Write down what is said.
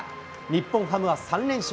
日本ハムは３連勝。